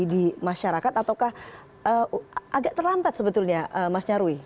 di masyarakat ataukah agak terlambat sebetulnya mas nyarwi